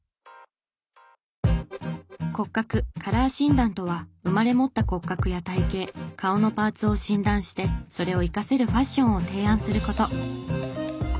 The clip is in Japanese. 骨格・カラー診断とは生まれ持った骨格や体形顔のパーツを診断してそれを生かせるファッションを提案する事。